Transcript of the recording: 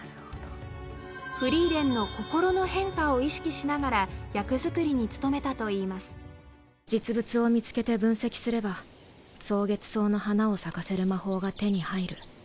しながら役作りに努めたといいます実物を見つけて分析すれば蒼月草の花を咲かせる魔法が手に入る。